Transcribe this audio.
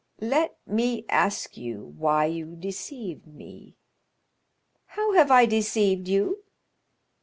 "Let me ask you why you deceived me?" "How have I deceived you?"